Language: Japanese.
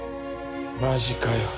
マジかよ。